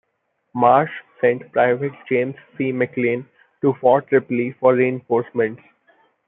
Marsh sent Private James C. McLean to Fort Ripley for reinforcements.